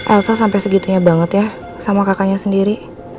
elsa sampai segitunya banget ya sama kakaknya sendiri